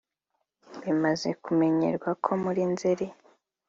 Bimaze kumenyerwa ko muri Nzeri